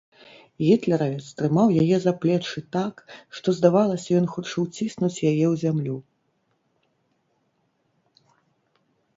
Гітлеравец трымаў яе за плечы так, што здавалася, ён хоча ўціснуць яе ў зямлю.